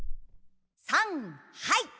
さんはい。